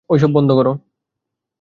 ঐসব বন্ধ করো।